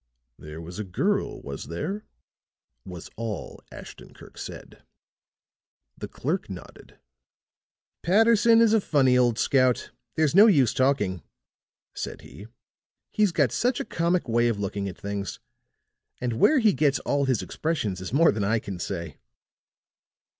"There was a girl, was there?" was all Ashton Kirk said. The clerk nodded. "Patterson is a funny old scout, there's no use talking," said he. "He's got such a comic way of looking at things. And where he gets all his expressions is more than I can say."